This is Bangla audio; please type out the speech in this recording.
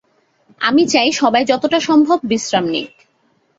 আমি চাই সবাই যতটা সম্ভব বিশ্রাম নিক।